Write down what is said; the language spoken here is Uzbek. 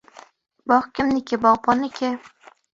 Bog' kimniki — bog'bonniki.